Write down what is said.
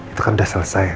itu kan udah selesai